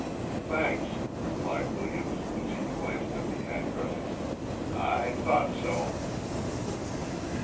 "Thanks," replied Williams, as he glanced at the address. "I thought so."